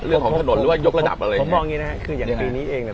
เรื่องของถนนหรือว่ายกระดับอะไรผมมองอย่างงี้นะฮะคืออย่างปีนี้เองเนี่ย